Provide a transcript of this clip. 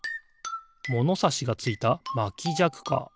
ものさしがついたまきじゃくか。